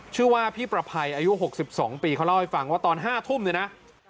ชื่อว่าพี่ประไพยอายุหกสิบสองปีเขาเล่าให้ฟังว่าตอนห้าทุ่มนี่นะ